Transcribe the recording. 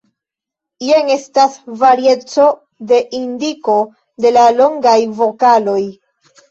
Jen estas varieco de indiko de la longaj vokaloj.